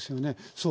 そう。